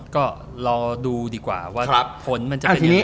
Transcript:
ก็รอดูดีกว่าว่าผลมันจะเป็นยังไง